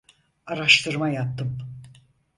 Araştırma yaptım.